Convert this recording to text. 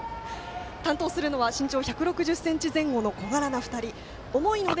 担当するのは身長１６０ｃｍ前後の小柄な２人。